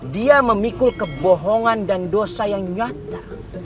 dia memikul kebohongan dan dosa yang nyata